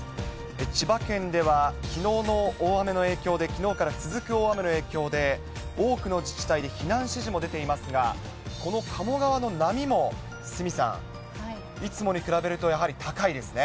千葉県では、きのうの大雨の影響で、きのうから続く大雨の影響で、多くの自治体で避難指示も出ていますが、この鴨川の波も鷲見さん、いつもに比べるとやはり高いですね。